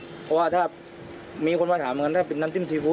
เพราะว่าถ้ามีคนมาถามกันถ้าเป็นน้ำจิ้มซีฟู้